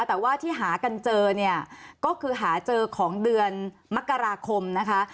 แต่ว่าที่หากันเจอเนี่ยก็คือหาเจอของเดือนมกราคมนะคะ